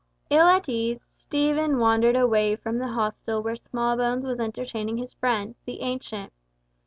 Ill at ease, Stephen wandered away from the hostel where Smallbones was entertaining his friend, the Ancient.